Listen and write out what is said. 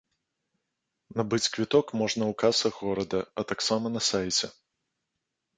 Набыць квіток можна ў касах горада, а таксама на сайце.